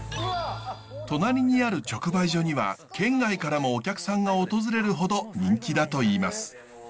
隣にある直売所には県外からもお客さんが訪れるほど人気だといいます。